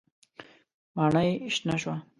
ماڼۍ شنه شوه.